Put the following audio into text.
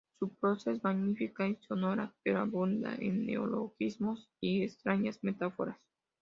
Su prosa es magnífica y sonora, pero abunda en neologismos y extrañas metáforas.